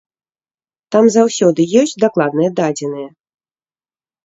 Там заўсёды ёсць дакладныя дадзеныя.